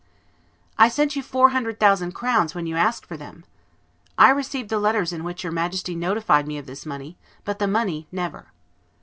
"I sent you four hundred thousand crowns when you asked for them." "I received the letters in which your Majesty notified me of this money, but the money never."